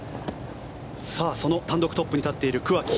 その単独トップに立っている桑木。